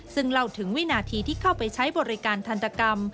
ซึ่งเล่าถึงวินาทีที่เข้าไปใช้บริการทันตกรรม